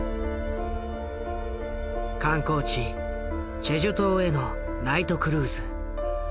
観光地チェジュ島へのナイトクルーズ。